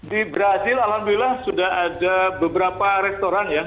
di brazil alhamdulillah sudah ada beberapa restoran ya